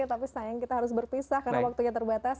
tapi sayang kita harus berpisah karena waktunya terbatas